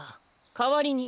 かわりに。